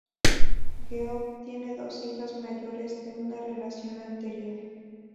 Geoff tiene dos hijas mayores de una relación anterior.